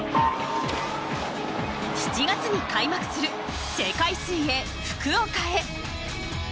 ７月に開幕する世界水泳福岡へ。